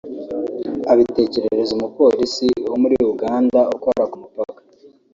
abitekerereza umupolisi wo muri Uganda ukora ku mupaka